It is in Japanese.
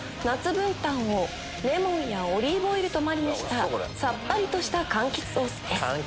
文旦をレモンやオリーブオイルとマリネしたさっぱりとしたかんきつソースです。